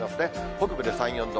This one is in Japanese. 北部で３、４度。